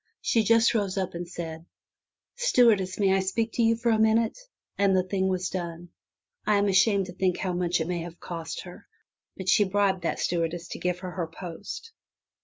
She just rose up and said, "Stewardess, might I speak to you for a minute?'* and the thing was done. I am ashamed to think how much it may have cost her, but she bribed that stewardess to give up her post.